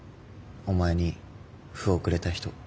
お前に歩をくれた人。